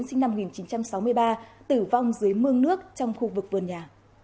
sinh năm một nghìn chín trăm sáu mươi ba tử vong dưới mương nước trong khu vực vườn nhà